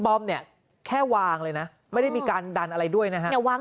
บอมเนี่ยแค่วางเลยนะไม่ได้มีการดันอะไรด้วยนะฮะ